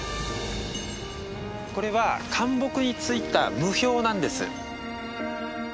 これはかん木についた霧氷なんです。